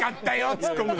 ツッコむの。